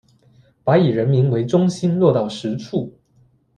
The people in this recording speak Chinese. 把以人民为中心落到实处